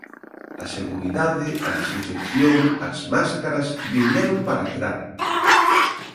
A seguridade, a desinfección, as máscaras viñeron para quedar.